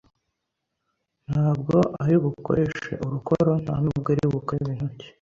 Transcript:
nta bwo aribukoreshe ‘arukoro nta nubwo ari bukarabe intoki